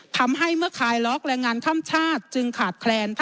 ทำให้เมื่อคลายล็อกแรงงานข้ามชาติจึงขาดแคลน